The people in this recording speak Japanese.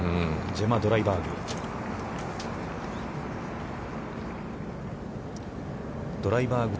ジェマ・ドライバーグ。